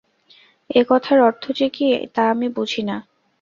এ-কথার অর্থ যে কী, তা আমি বুঝি না।